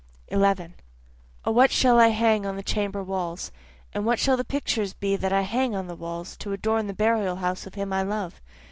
11 O what shall I hang on the chamber walls? And what shall the pictures be that I hang on the walls, To adorn the burial house of him I love?